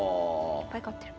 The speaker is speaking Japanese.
いっぱい勝ってる。